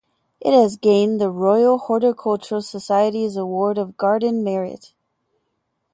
It has gained the Royal Horticultural Society's Award of Garden Merit.